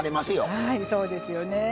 はいそうですよね。